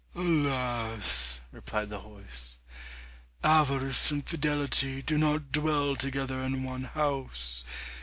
"Alas," replied the horse, "avarice and fidelity do not dwell together in one house.